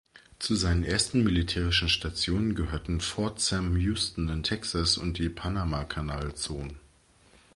Zu seinen ersten militärischen Stationen gehörten Fort Sam Houston in Texas und die Panamakanalzone.